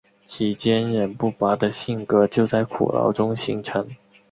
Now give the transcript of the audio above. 其坚忍不拔的性格就在苦牢中形成。